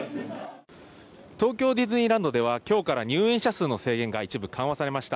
東京ディズニーランドでは、きょうから入園者数の制限が一部緩和されました。